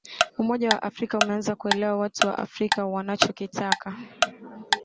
umoja wa afrika umeanza kuelewa watu wa afrika wanachokitaka